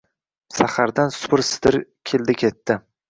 Sahardan supur-sidir, keldi-ketdi.